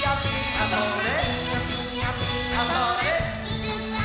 あ、それっ。